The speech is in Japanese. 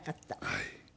はい。